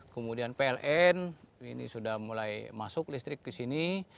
kemudian pln ini sudah mulai masuk listrik ke sini